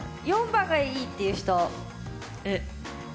４番がいいっていう人。